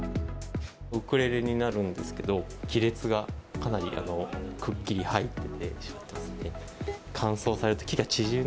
ウクレレになるんですけど、亀裂がかなりくっきり入ってしまってますね。